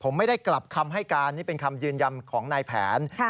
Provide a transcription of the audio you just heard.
ผมไม่ได้กลับคำให้การนี่เป็นคำยืนยันของนายแผน